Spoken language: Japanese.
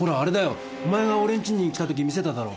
お前がおれん家に来たとき見せただろ。